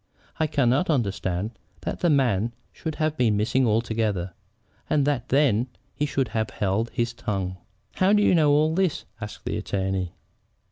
I cannot understand that the man should have been missing altogether, and that then he should have held his tongue." "How do you know all this?" asked the attorney.